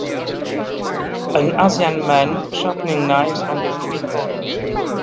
An Asian man sharpening knives on the street corner.